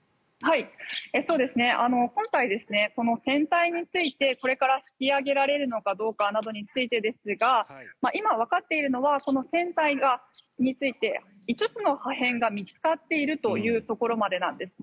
今回、この船体についてこれから引き揚げられるのかなどについてですが今、わかっているのは船体について５つの破片が見つかっているというところまでなんです。